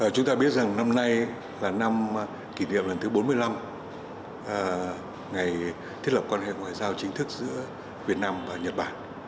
chúng ta biết rằng năm nay là năm kỷ niệm lần thứ bốn mươi năm ngày thiết lập quan hệ ngoại giao chính thức giữa việt nam và nhật bản